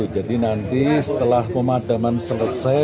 jadi nanti setelah pemadaman selesai